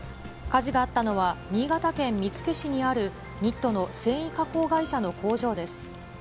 火事があったのは、新潟県見附市にあるニットの繊維加工会社の工場です。